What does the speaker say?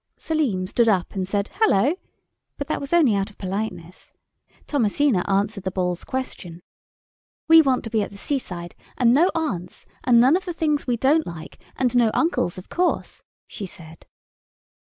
Selim stood up, and said, "Halloa"; but that was only out of politeness. Thomasina answered the Ball's question. "We want to be at the seaside—and no aunts—and none of the things we don't like—and no uncles, of course," she said.